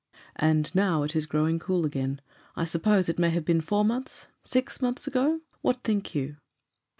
"And now it is growing cool again. I suppose it may have been four months six months ago. What think you?"